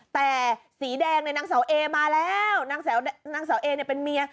แต่สีแดงในนางเสาเอมาแล้วนางสาวเอเนี่ยเป็นเมีย